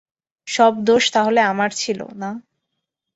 সব দোষ তাহলে আমার ছিলো, না?